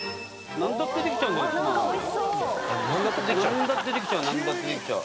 何だってできちゃう。